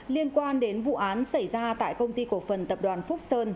liên quan đến vụ án xảy ra tại công ty cổ phần tập đoàn phúc sơn